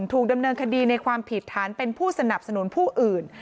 ถูกดำเนินคดีในความผิดฐานเป็นผู้สนับสนุนผู้อื่น